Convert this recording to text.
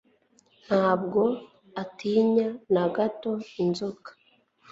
Ntabwo atinya na gato inzoka